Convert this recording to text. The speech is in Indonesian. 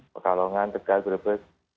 pekalongan tegak gerebes